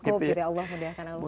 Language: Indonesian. ya allah mudahkan allah mencukupkan